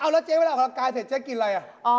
แล้วเจ๊เวลาออกกำลังกายเสร็จเจ๊กินอะไร